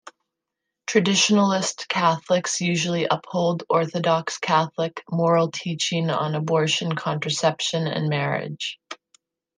Traditionalist Catholics usually uphold orthodox Catholic moral teaching on abortion, contraception and marriage.